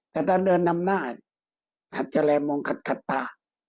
แต่ถ้าเดินนำหน้าอาจจะแลบมองขัดขัดตา